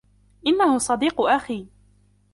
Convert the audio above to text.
إنهُ صديق أخي.